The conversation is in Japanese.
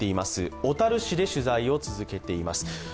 小樽市で取材を続けています。